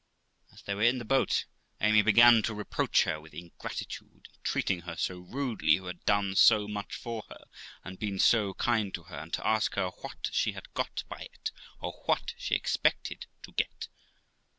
As they were in the boat, Amy began to reproach her with ingratitude in treating her so rudely who had done so much for her, and been so kind to her; and to ask her what she had got by it, or what she expected to get.